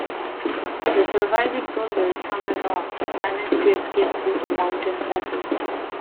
The surviving soldiers from the North manage to escape through a mountain passage.